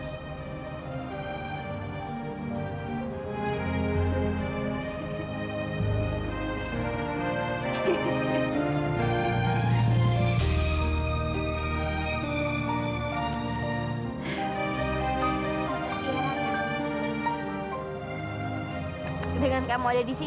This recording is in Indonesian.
rasanya aku orang yang nicht di sini